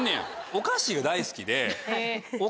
お菓子が大好きで。